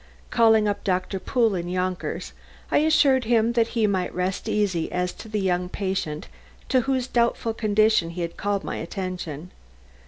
Calling up Doctor Pool in Yonkers, I assured him that he might rest easy as to the young patient to whose doubtful condition he had called my attention.